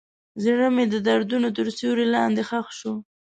زړه مې د دردونو تر سیوري لاندې ښخ شو.